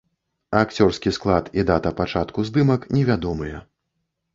Акцёрскі склад і дата пачатку здымак невядомыя.